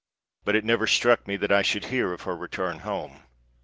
But it never struck me that I should hear of her return home."